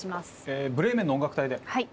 「ブレーメンの音楽隊」で。